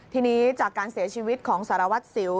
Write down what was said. ทีนี้จากการเสียชีวิตของสารวัตรสิว